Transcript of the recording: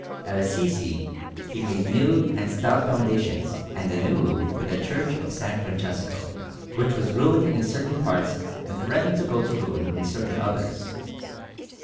At Assisi he made new and stout foundations and a new roof for the Church of S. Francesco, which was ruined in certain parts and threatened to go to ruin in certain others.